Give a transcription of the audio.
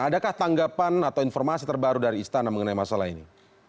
adakah tanggapan atau informasi terbaru dari istana mengenai masalah ini